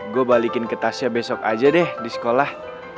gue balikin ketasnya besok aja deh di sekolah